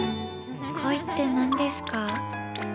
恋って何ですか？